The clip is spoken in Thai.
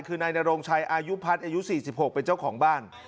คือนายนโรงชัยอายุพัฒน์อายุ๔๖เป็นเจ้าของบ้าน